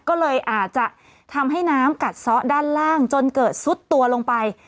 ก็เลยอาจจะทำให้น้ำกัดซ้อด้านล่างจนเกิดซุดตัวลงไป